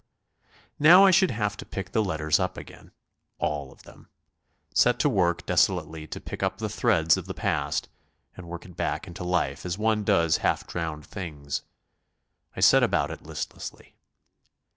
Now I should have to pick the letters up again, all of them; set to work desolately to pick up the threads of the past; and work it back into life as one does half drowned things. I set about it listlessly.